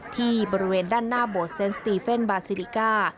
ที่บริเวณด้านหน้าโบสเซนสตีเฟ่นบาซิริกา